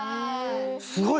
すごい！